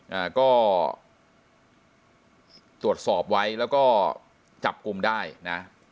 อ่าก็ตรวจสอบไว้แล้วก็จับกลุ่มได้นะ